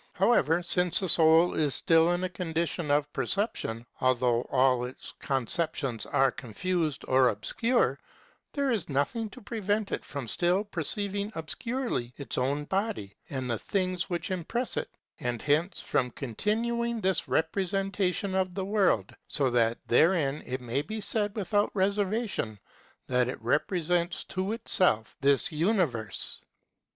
However since the soul is still in a condition of preception, although all its conceptions are con fused or obscure, there is nothing to prevent it from still per ceiving obscurely its own body, and the things that impress it, and hence from continuing this re presentation of the world, so that therefore it may be said without reservation that it re presents to itself this universe.